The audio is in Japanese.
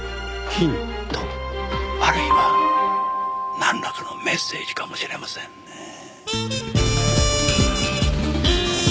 ヒントあるいはなんらかのメッセージかもしれませんねぇ。